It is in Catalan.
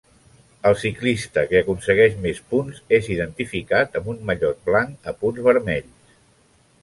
El ciclista que aconsegueix més punts és identificat amb un mallot blanc a punts vermells.